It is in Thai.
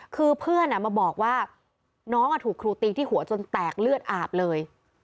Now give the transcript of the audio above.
คือเพื่อนมาบอกว่าน้องถูกครูตีที่หัวจนแตกเลือดอาบเลย